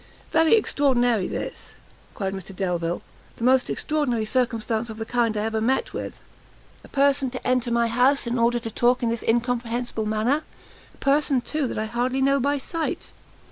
"Very extraordinary this!" cried Mr Delvile; "the most extraordinary circumstance of the kind I ever met with! a person to enter my house in order to talk in this incomprehensible manner! a person, too, I hardly know by sight!"